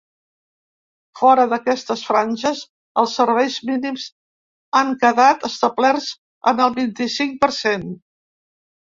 Fora d’aquestes franges, els serveis mínims han quedat establerts en el vint-i-cinc per cent.